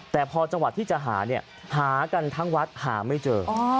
แต่พอจังหวัดที่จะหาเนี่ยหากันทั้งวัดหาไม่เจอ